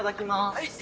はい。